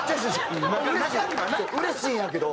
うれしいんやけど。